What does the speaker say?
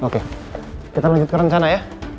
oke kita lanjut ke rencana ya